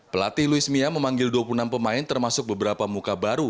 pelatih luis mia memanggil dua puluh enam pemain termasuk beberapa muka baru